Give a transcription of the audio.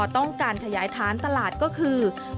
ต้องการขยายฐานตลาดก็คือ